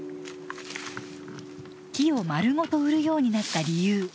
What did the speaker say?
木をまるごと売るようになった理由